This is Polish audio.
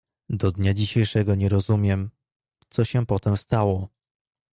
"Do dnia dzisiejszego nie rozumiem, co się potem stało."